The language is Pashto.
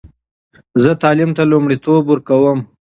زه تعلیم ته لومړیتوب ورکوم.